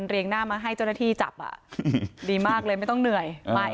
เรียงหน้ามาให้เจ้าหน้าที่จับดีมากเลยไม่ต้องเหนื่อยไม่